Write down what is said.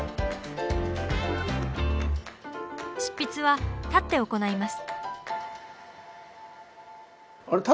執筆は立って行います。